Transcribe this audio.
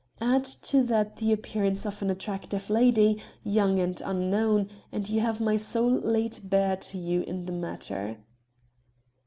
Add to that the appearance of an attractive lady, young and unknown, and you have my soul laid bare to you in the matter."